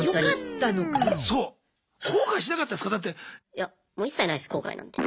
いやもう一切ないです後悔なんて。